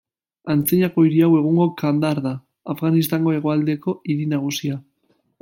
Antzinako hiri hau egungo Kandahar da, Afganistango hegoaldeko hiri nagusia.